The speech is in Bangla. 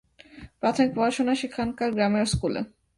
প্রাথমিক পড়াশোনা সেখানকার গ্রামের স্কুলে।